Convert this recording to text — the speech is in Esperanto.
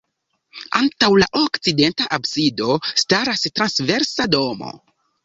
Antaŭ la okcidenta absido staras transversa domo.